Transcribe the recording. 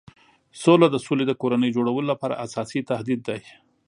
سوله د سولې د کورنۍ جوړولو لپاره اساسي تهدید دی.